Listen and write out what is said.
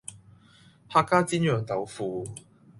客家煎釀豆腐